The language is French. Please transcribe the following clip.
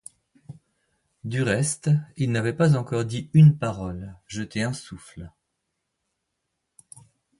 Du reste, il n’avait pas encore dit une parole, jeté un souffle.